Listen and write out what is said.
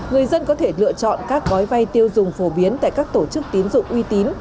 người dân có thể lựa chọn các gói vay tiêu dùng phổ biến tại các tổ chức tín dụng uy tín